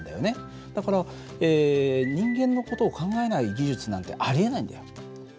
だから人間の事を考えない技術なんてありえないんだよ。